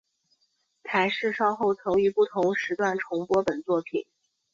台视稍后曾于不同时段重播本作品。